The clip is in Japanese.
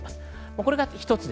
これが一つ。